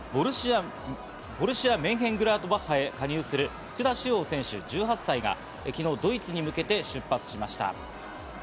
サッカー・ドイツ１部リーグの強豪、ボルシア・メンヒェングラートバッハへ加入する福田師王選手、１８歳が昨日ドイツに向けて出発しました。